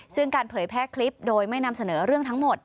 ซึ่งการเผยแพร่คลิปโดยไม่นำเสนอเรื่องทั้งหมด